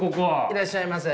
いらっしゃいませ。